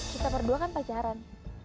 kita berdua kan pacaran